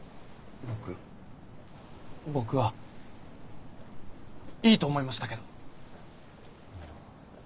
僕僕はいいと思いましたけど！